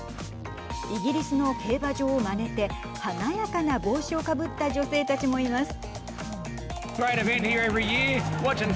イギリスの競馬場をまねて華やかな帽子をかぶった女性たちもいます。